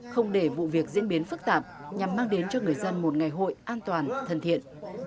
không để vụ việc diễn biến phức tạp nhằm mang đến cho người dân một ngày hội an toàn thân thiện